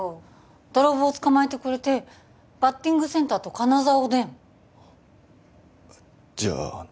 泥棒を捕まえてくれてバッティングセンターと金沢おでんじゃあ